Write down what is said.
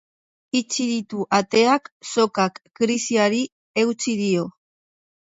Itxi ditu ateak zokak krisiari eutsi dio.